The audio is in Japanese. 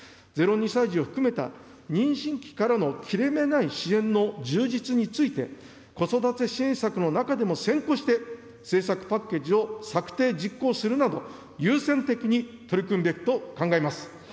０２歳児を含めた妊娠期からの切れ目ない支援の充実について、子育て支援策の中でも先行して、政策パッケージを策定、実行するなど、優先的に取り組んでいくと考えます。